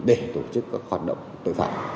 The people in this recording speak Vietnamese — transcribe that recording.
để tổ chức các hoạt động tội phạm